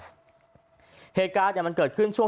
ตัวในโรงพยาบาลเหตุการณ์เนี้ยมันเกิดขึ้นช่วง